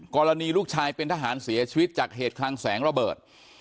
กรณีลูกชายเป็นทหารเสียชีวิตจากเหตุคลังแสงระเบิด